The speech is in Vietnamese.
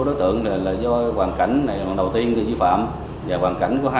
đối tượng thừa nhận hành vi của mình